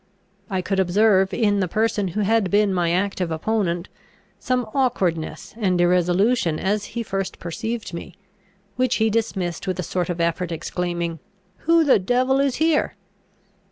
I could observe in the person who had been my active opponent some awkwardness and irresolution as he first perceived me, which he dismissed with a sort of effort, exclaiming, "Who the devil is here?"